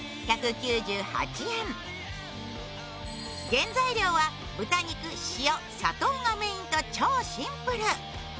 原材料は豚肉、塩、砂糖がメインと超シンプル。